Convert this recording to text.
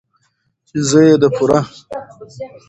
،چې زه يې د پوره